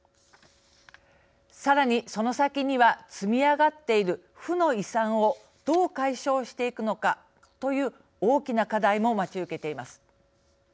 さらに、その先には積み上がっている負の遺産をどう解消していくのかという大きな課題も待ち受けています。